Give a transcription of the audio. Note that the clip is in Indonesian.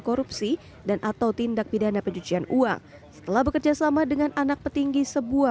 korupsi dan atau tindak pidana pencucian uang setelah bekerjasama dengan anak petinggi sebuah